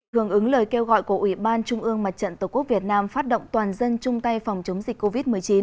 hưởng ứng lời kêu gọi của ủy ban trung ương mặt trận tổ quốc việt nam phát động toàn dân chung tay phòng chống dịch covid một mươi chín